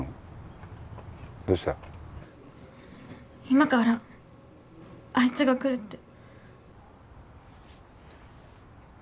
今からあいつが来るって。